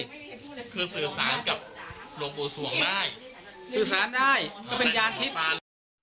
คือสื่อสารกับโรงปูส่วนได้สื่อสารได้ก็เป็นยานทิพย์